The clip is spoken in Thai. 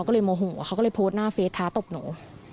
เขาก็เลยโพสต์หน้าเฟซท้าตบหนู